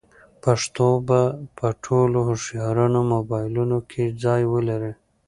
پښتو به په ټولو هوښیارانو موبایلونو کې ځای ولري.